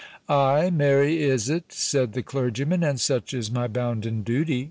"Ay, marry is it," said the clergyman, "and such is my bounden duty.